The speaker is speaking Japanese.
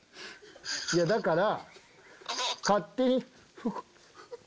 いやだから。